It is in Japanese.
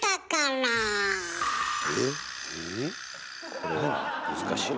これは難しいよ。